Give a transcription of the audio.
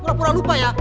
pura pura lupa ya